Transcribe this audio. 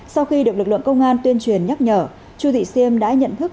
sau khi được lực lượng công an tuyên truyền nhắc nhở chu thị siêm đã nhận thức